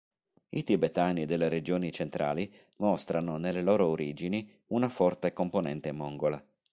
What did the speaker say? I tibetani delle regioni centrali mostrano nelle loro origini una forte componente mongola.